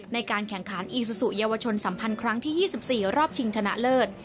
ในการแข่งขันอีซูซูเยาวชนสัมพันธ์ครั้งที่๒๔รอบชิงชนะเลิศ